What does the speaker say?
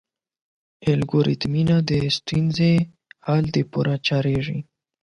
الګوریتمونه د ستونزو حل لپاره کارېږي.